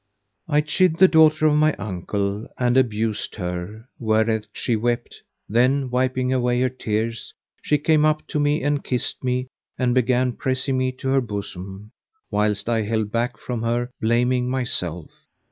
I chid the daughter of my uncle and abused her, whereat she wept; then, wiping away her tears, she came up to me and kissed me and began pressing me to her bosom, whilst I held back from her blaming myself.